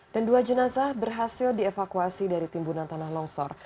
dan dua jenazah berhasil dievakuasi dari timbunan tanah longsor